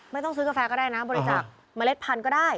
ไม่ต้องซื้อกาแฟก็ได้นะบริจาคเมล็ดพันธุ์ก็ได้